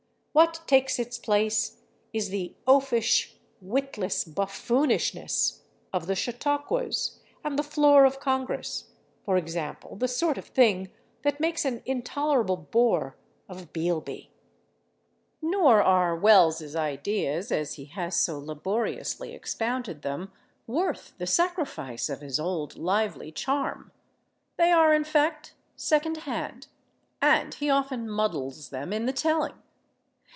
What takes its place is the oafish, witless buffoonishness of the chautauquas and the floor of Congress—for example, the sort of thing that makes an intolerable bore of "Bealby." Nor are Wells' ideas, as he has so laboriously expounded them, worth the sacrifice of his old lively charm. They are, in fact, second hand, and he often muddles them in the telling.